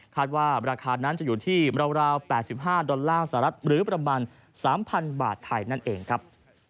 ว่าราคานั้นจะอยู่ที่ราว๘๕ดอลลาร์สหรัฐหรือประมาณ๓๐๐บาทไทยนั่นเองครับ